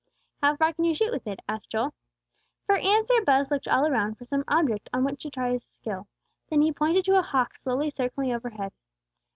"How far can you shoot with it?" asked Joel. For answer Buz looked all around for some object on which to try his skill; then he pointed to a hawk slowly circling overhead.